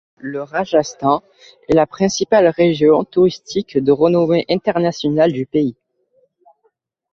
Le Rajasthan est la principale région touristique de renommée internationale du pays.